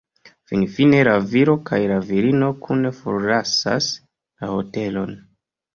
Finfine la viro kaj la virino kune forlasas la hotelon.